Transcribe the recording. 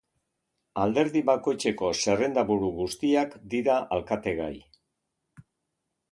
Alderdi bakoitzeko zerrendaburu guztiak dira alkategai.